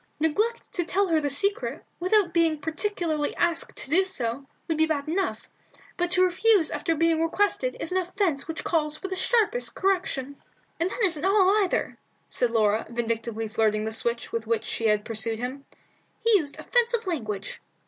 "Neglect to tell her the secret, without being particularly asked to do so, would be bad enough, but to refuse after being requested is an offence which calls for the sharpest correction." "And that isn't all, either," said Laura, vindictively flirting the switch with which she had pursued him. "He used offensive language."